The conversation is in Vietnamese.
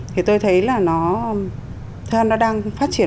thì tôi thấy là nó đang phát triển